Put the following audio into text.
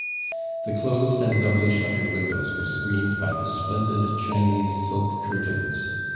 The closed and doubly shuttered windows were screened by the splendid Chinese silk curtains.